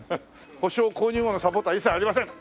「保証・購入後のサポートは一切ありません」